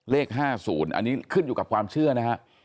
เลข๕๐อันนี้ขึ้นอยู่กับความเชื่อนะฮะ